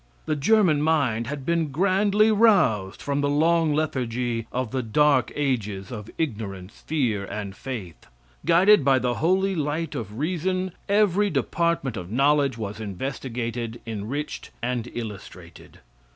The German mind had been grandly roused from the long lethargy of the dark ages of ignorance, fear and faith. Guided by the holy light of reason, every department of knowledge was investigated, enriched and illustrated.